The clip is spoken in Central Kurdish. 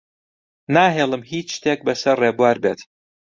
ناهێڵم هیچ شتێک بەسەر ڕێبوار بێت.